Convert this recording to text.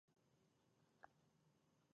د یو توکي ارزښت د نورو توکو په وسیله بیانېږي